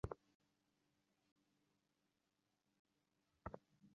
সুনীলের কাছে যাহা অন্যায়, তাহার কাছে সেটা কেমন করিয়া অন্যায় হইতে পারে।